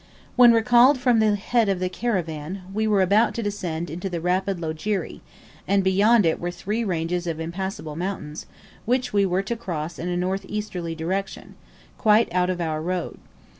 When recalled from the head of the caravan, we were about to descend into the rapid Loajeri, and beyond it were three ranges of impassable mountains, which we were to cross in a north easterly direction; quite out of our road.